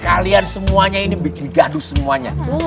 kalian semuanya ini bikin gaduh semuanya